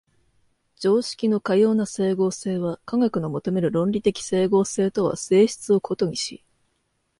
常識のかような斉合性は科学の求める論理的斉合性とは性質を異にし、